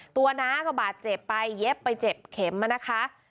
ตัวหน้าก็บาดเจ็บไปเย็บไปเจ็บเข็มมานะคะ